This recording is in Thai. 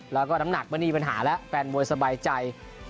แล้วก็น้ำหนักไม่มีปัญหาแล้วแฟนมวยสบายใจ